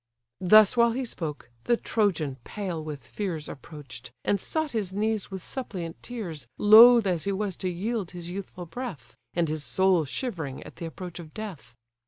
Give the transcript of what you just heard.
Thus while he spoke, the Trojan pale with fears Approach'd, and sought his knees with suppliant tears Loth as he was to yield his youthful breath, And his soul shivering at the approach of death.